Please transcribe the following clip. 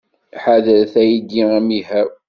Ḥadret, aydi amihaw!